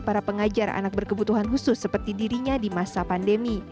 para pengajar anak berkebutuhan khusus seperti dirinya di masa pandemi